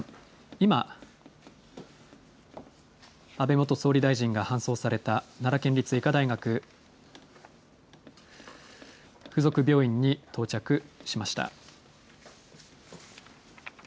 今、安倍元総理大臣が搬送された、奈良県立医科大学附属病院に到着しました。